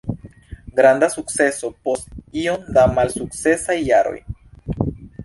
Granda sukceso post tiom da malsukcesaj jaroj.